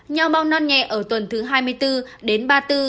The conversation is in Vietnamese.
nhau bao non nhẹ ở tuần thứ hai mươi bốn đến ba mươi bốn